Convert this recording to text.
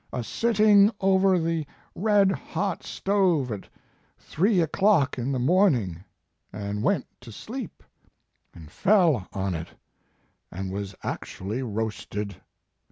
a sitting over the red hot stove at three o clock in the morning, and went to sleep and fell on it and was actually roasted!